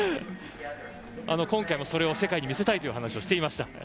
今回もそれを世界に見せたいと話していました。